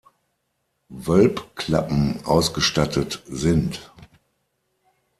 Wölbklappen ausgestattet sind.